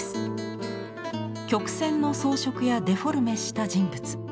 曲線の装飾やデフォルメした人物。